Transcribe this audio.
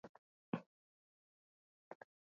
kumekuwepo na ongezeko maradufu la habari za uwongo